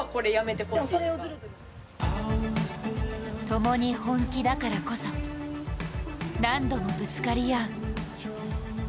共に本気だからこそ何度もぶつかり合う。